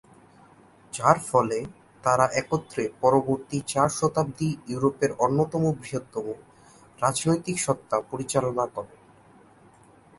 যার ফলে তারা একত্রে পরবর্তী চার শতাব্দী ইউরোপের অন্যতম বৃহত্তম রাজনৈতিক সত্তা পরিচালনা করেন।